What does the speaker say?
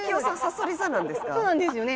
そうなんですよね。